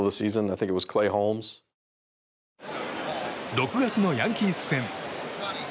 ６月のヤンキース戦。